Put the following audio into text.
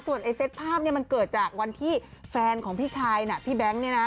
ส่วนเซตภาพมันเกิดจากวันที่แฟนของพี่ชัยนะพี่แบ๊งอย่างนี้นะ